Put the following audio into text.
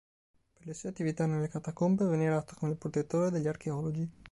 Per le sue attività nelle catacombe è venerato come il protettore degli archeologi.